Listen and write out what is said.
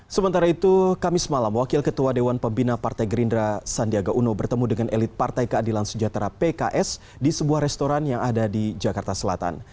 sementara itu kamis malam wakil ketua dewan pembina partai gerindra sandiaga uno bertemu dengan elit partai keadilan sejahtera pks di sebuah restoran yang ada di jakarta selatan